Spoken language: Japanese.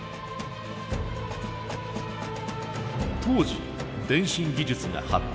当時電信技術が発達。